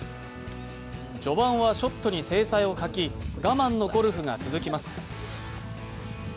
序盤はショットに精彩を欠き我慢のゴルフが続きます。